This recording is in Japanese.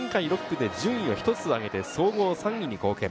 前回６区で順位を一つ上げて総合３位に貢献。